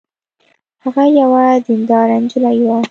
هغه یوه دینداره نجلۍ وه